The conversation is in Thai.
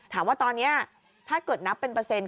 ถามว่าตอนนี้ถ้าเกิดนับเป็นเปอร์เซ็นต